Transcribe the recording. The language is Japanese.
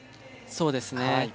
そうですね。